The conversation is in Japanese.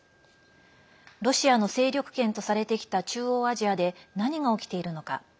ロシアの勢力圏とされてきた中央アジアで何が起きているのか。